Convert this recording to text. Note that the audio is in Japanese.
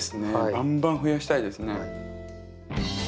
バンバン増やしたいですね。